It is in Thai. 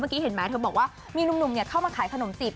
เห็นไหมเธอบอกว่ามีหนุ่มเข้ามาขายขนมจีบ